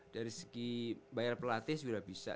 dari segi bayar pelatih sudah bisa